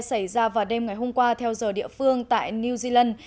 xảy ra vào đêm ngày hôm qua theo giờ địa phương tại new zealand